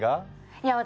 いや私